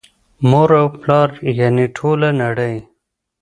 مور او پلار یعني ټوله نړۍ